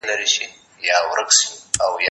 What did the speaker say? زه به سبا ليک لولم وم،